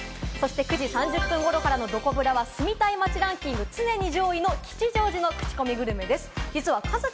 ９時２５分頃からのどこブラは、住みたい街ランキング上位常連の吉祥寺のクチコミグルメです。